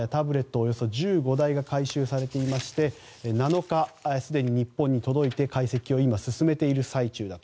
およそ１５台が回収されていまして７日、すでに日本に届いて解析を今、進めている最中だと。